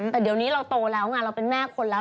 แต่เดี๋ยวนี้เราโตแล้วไงเราเป็นแม่คนแล้ว